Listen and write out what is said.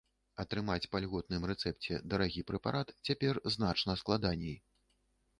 Атрымаць па льготным рэцэпце дарагі прэпарат цяпер значна складаней.